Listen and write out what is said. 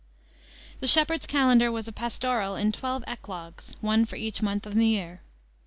The Shepheard's Calendar was a pastoral in twelve eclogues one for each month in the year.